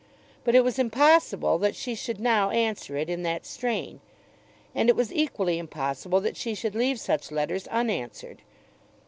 But it was impossible that she should now answer it in that strain; and it was equally impossible that she should leave such letters unanswered.